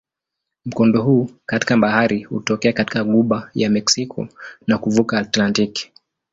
Mkondo huu katika bahari hutokea katika ghuba ya Meksiko na kuvuka Atlantiki.